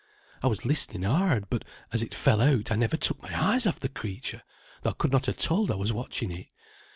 I was listening hard, but as it fell out, I never took my eyes off the creature, though I could not ha' told I was watching it.